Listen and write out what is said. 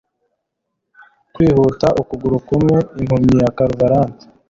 kwihuta ukuguru kumwe, impumyi ya clairvoyant